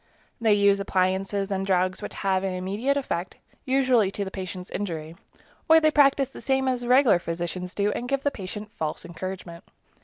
They use appliances and drugs which have an immediate effect, usually to the patients' injury; or they practice the same as regular physicians do and give the patient false encouragement.